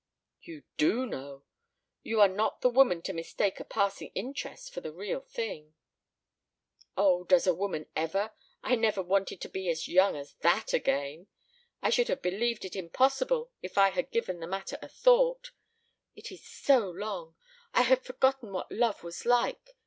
"You do know! You are not the woman to mistake a passing interest for the real thing." "Oh, does a woman ever I never wanted to be as young as that again! I should have believed it impossible if I had given the matter a thought It is so long! I had forgotten what love was like.